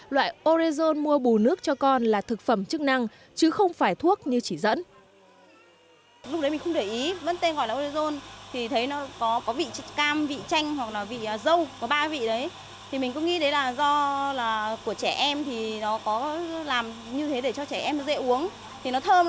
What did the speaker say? loại orezon mua bù nước cho con là thực phẩm chức năng chứ không phải thuốc như chỉ dẫn